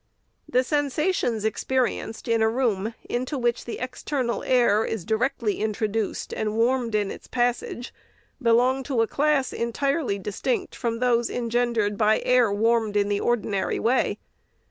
The sensations experienced in a room into which the external air is directly introduced, and warmed in its passage, belong to a class entirely distinct from those engendered by air warmed in the ordinary way.